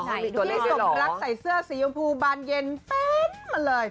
พี่สมรักใส่เสื้อสีชมพูบานเย็นแป๊บมาเลย